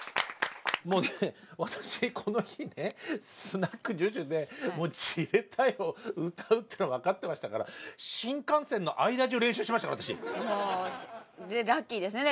私この日ねスナックＪＵＪＵで「じれったい」を歌うっていうの分かってましたからラッキーですね